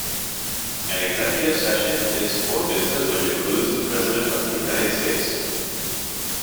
An executive session is for business which includes the President of the United States.